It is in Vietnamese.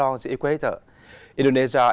nhiều năm trước